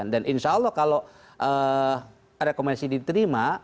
dan insya allah kalau rekomendasi diterima